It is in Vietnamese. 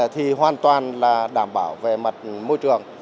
thì hoàn toàn là đảm bảo về mặt môi trường